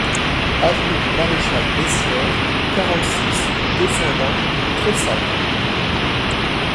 Avenue du Maréchal Bessières, quarante-six, deux cent vingt Prayssac